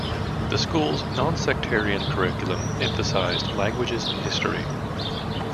The school's nonsectarian curriculum emphasized languages and history.